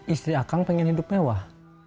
istri akang pengen hidup mewah